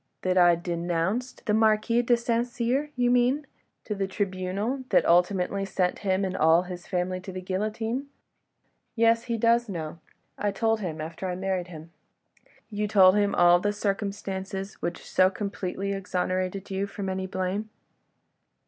"That I denounced the Marquis de St. Cyr, you mean, to the tribunal that ultimately sent him and all his family to the guillotine? Yes, he does know. ... I told him after I married him. ..." "You told him all the circumstances—which so completely exonerated you from any blame?"